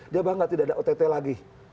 dia bangga tidak ada ott lagi